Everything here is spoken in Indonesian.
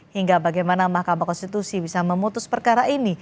hingga bagaimana mahkamah konstitusi bisa memutus perkara ini